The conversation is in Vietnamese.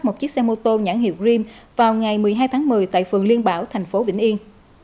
một chiếc xe mô tô nhãn hiệu gream vào ngày một mươi hai tháng một mươi tại phường liên bảo thành phố vĩnh yên